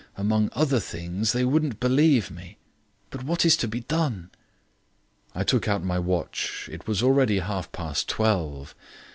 Among other things, they wouldn't believe me. What is to be done?" I took out my watch. It was already half past twelve.